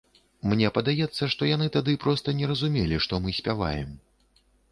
Мне падаецца, што яны тады проста не разумелі, што мы спяваем.